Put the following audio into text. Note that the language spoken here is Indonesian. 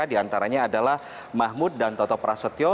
diantaranya adalah mahmud dan toto prasetyo